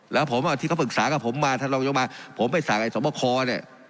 แล้วผมที่เขาปรึกษากับผมมาท่านรองยกมาผมไปสั่งไอ้สมบคอเนี่ย